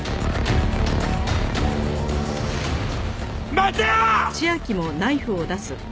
待てよ！